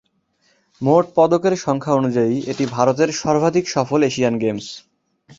মোট পদকের সংখ্যা অনুযায়ী, এটি ভারতের সর্বাধিক সফল এশিয়ান গেমস।